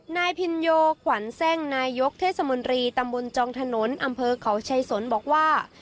นายพินโยขวัญแทร่งนายกเทศมนตรีตำบลจองถนนอำเภอเขาชัยสนบอกว่า